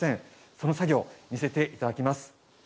その作業見せて頂きます。